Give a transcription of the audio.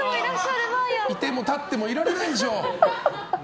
居ても立っても居られないでしょう。